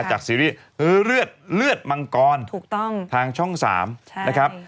จากซีรีย์เออเลือดเลือดมังกอลถูกต้องช่องสามใช่ครับ